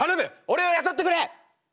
俺を雇ってくれ！